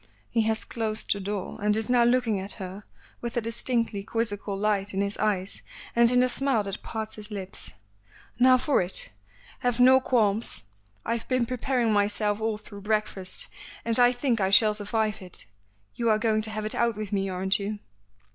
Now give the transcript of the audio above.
He has closed the door, and is now looking at her with a distinctly quizzical light in his eyes and in the smile that parts his lips. "Now for it. Have no qualms. I've been preparing myself all through breakfast and I think I shall survive it. You are going to have it out with me, aren't you?"